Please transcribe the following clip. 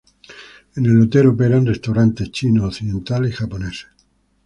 En el hotel operan restaurantes chinos, occidentales y japoneses.